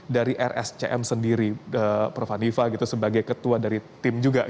dari rscm sendiri prof hanifah gitu sebagai ketua dari tim juga